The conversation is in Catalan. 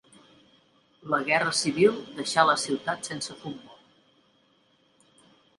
La Guerra Civil deixà la ciutat sense futbol.